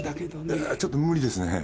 いやちょっと無理ですね。